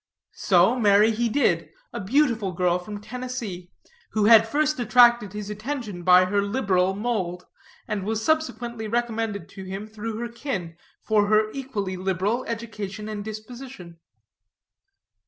So, marry he did, a beautiful girl from Tennessee, who had first attracted his attention by her liberal mould, and was subsequently recommended to him through her kin, for her equally liberal education and disposition.